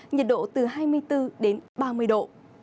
nhiệt độ từ hai mươi bốn ba mươi độ